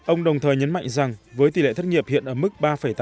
ông đồng thời nhấn mạnh rằng với tỷ lệ thất nghiệp hiện ở mức ba tám